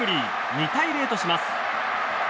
２対０とします。